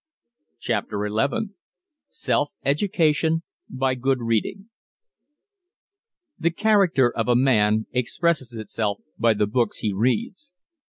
CHAPTER XI SELF EDUCATION BY GOOD READING The character of a man expresses itself by the books he reads.